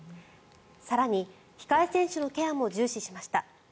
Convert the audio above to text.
更に、控え選手のケアも重視しました。